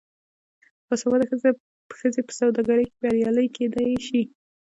باسواده ښځې په سوداګرۍ کې بریالۍ کیدی شي.